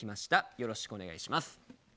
よろしくお願いします。